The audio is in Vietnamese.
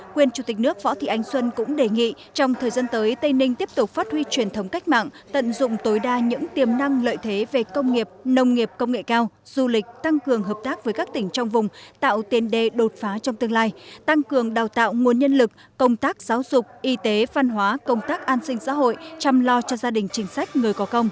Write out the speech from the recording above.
quyền chủ tịch nước võ thị anh xuân cũng đề nghị trong thời gian tới tây ninh tiếp tục phát huy truyền thống cách mạng tận dụng tối đa những tiềm năng lợi thế về công nghiệp nông nghiệp công nghệ cao du lịch tăng cường hợp tác với các tỉnh trong vùng tạo tiền đề đột phá trong tương lai tăng cường đào tạo nguồn nhân lực công tác giáo dục y tế văn hóa công tác an sinh xã hội chăm lo cho gia đình chính sách người có công